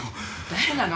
誰なの？